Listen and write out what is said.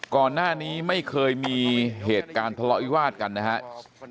ก่อนหน้านี้ไม่เคยมีเหตุการณ์ทะเลาะวิวาสกันนะครับ